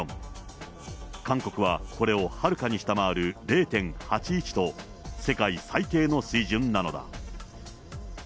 韓国は、これをはるかに下回る０．８１と、世界最低の水準なのだ。